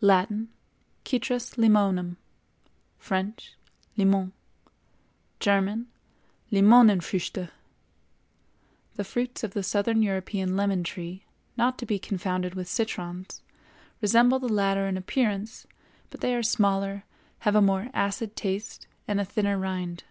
Latin—Citrus Limonum; French—Limon; German—Limonenfrüchte. The fruits of the South European lemon tree, not to be confounded with citrons, resemble the latter in appearance, but they are smaller, have a more acid taste and a thinner rind.